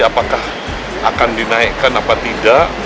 apakah akan dinaikkan apa tidak